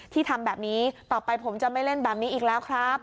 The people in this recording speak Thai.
ทำแบบนี้ต่อไปผมจะไม่เล่นแบบนี้อีกแล้วครับ